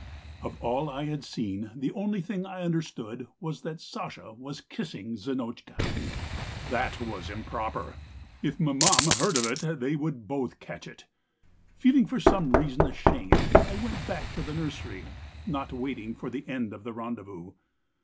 "Of all I had seen the only thing I understood was that Sasha was kissing Zinotchka. That was improper. If maman heard of it they would both catch it. Feeling for some reason ashamed I went back to the nursery, not waiting for the end of the rendezvous.